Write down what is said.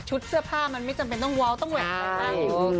ชุดเสื้อผ้ามันไม่จำเป็นต้องเว้าต้องแหวะแบบนั้น